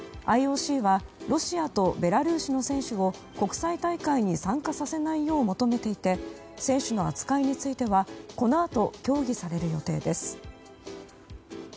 ＩＯＣはロシアとベラルーシの選手を国際大会に参加させないように求めていて選手の扱いについてはこのあと協議される予定です。